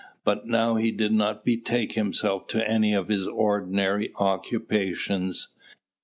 But now he did not betake himself to any of his ordinary occupations.